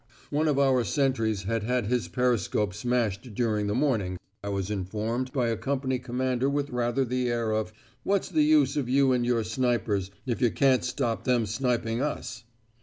One of our sentries had had his periscope smashed during the morning, I was informed by a company commander with rather the air of "What's the use of you and your snipers, if you can't stop them sniping us?"